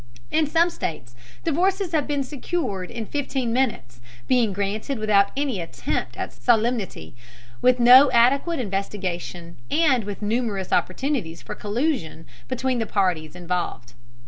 In some states divorces have been secured in fifteen minutes, being granted without any attempt at solemnity, with no adequate investigation, and with numerous opportunities for collusion between the parties involved.